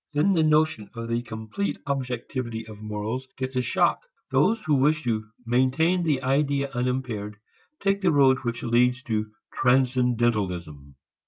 Then the notion of the complete objectivity of morals gets a shock. Those who wish to maintain the idea unimpaired take the road which leads to transcendentalism.